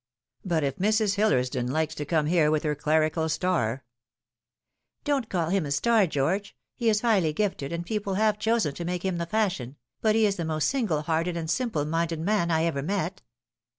" But if Mrs. Hillersdon likes to come here with her clerical star "" Don't call him a star, George. He is highly gifted, and people have chosen to make him the fashion, but he is the most single hearted and simple minded man I ever met.